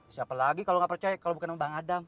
siapa lagi kalau nggak percaya kalau bukan bang adam